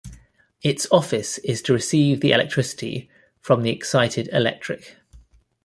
Its office is to receive the electricity from the excited electric.